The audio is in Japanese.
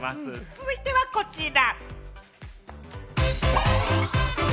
続いてはこちら！